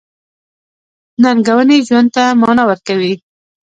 • ننګونې ژوند ته مانا ورکوي.